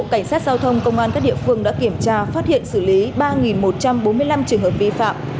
cảnh sát giao thông công an các địa phương đã kiểm tra phát hiện xử lý ba một trăm bốn mươi năm trường hợp vi phạm